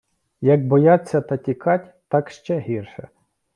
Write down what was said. - Як бояться та тікать, так ще гірше.